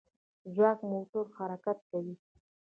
ځواک موټور حرکت کوي.